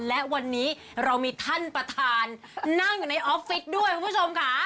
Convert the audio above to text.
และวันนี้เรามีท่านประธานนั่งอยู่ในออฟฟิศด้วยคุณผู้ชมค่ะ